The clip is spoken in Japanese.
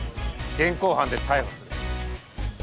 現行犯で逮捕する。